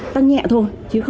tăng nhẹ thôi